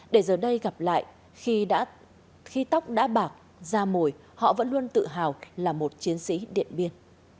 để giờ đây gặp lại khi tóc đã bạc ra mồi họ vẫn luôn tự hào là một chiến sĩ điện biên